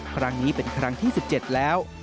ครั้งนี้เป็นครั้งที่๑๗แล้ว